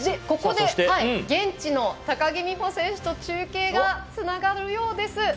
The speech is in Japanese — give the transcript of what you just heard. ここで現地の高木美帆選手と中継がつながるようです。